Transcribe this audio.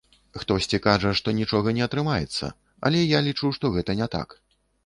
Хтосьці кажа, што нічога не атрымаецца, але я лічу, што гэта не так.